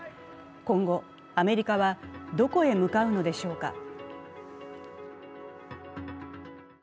今後、アメリカはどこへ向かうのでしょうか。